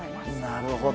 なるほど。